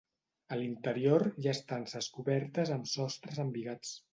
A l'interior hi ha estances cobertes amb sostres embigats.